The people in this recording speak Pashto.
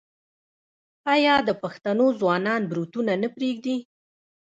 آیا د پښتنو ځوانان بروتونه نه پریږدي؟